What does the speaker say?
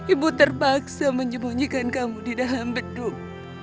ibu terpaksa menyembunyikan kamu di dalam beduk